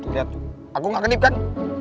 tuh liat aku gak kedip kan